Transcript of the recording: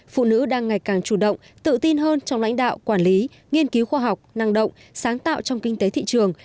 phụ nữ đang ngày càng chủ động tự tin hơn trong lãnh đạo quản lý nghiên cứu khoa học năng động sáng tạo trong kinh tế thị trường